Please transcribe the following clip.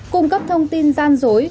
cung cấp thông tin gian dối